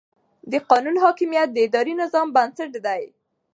د قانون حاکمیت د اداري نظام بنسټ دی.